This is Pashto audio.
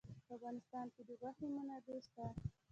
په افغانستان کې د غوښې منابع شته.